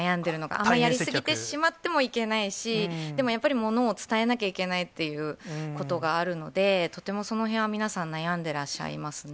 あんまりやり過ぎてしまってもいけないし、でもやっぱり、物を伝えなきゃいけないっていうことがあるので、とてもそのへんは皆さん悩んでらっしゃいますね。